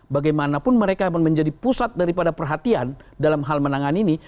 bagaimanapun mereka menjadi pusat daripada perhatian dalam hal menangan ini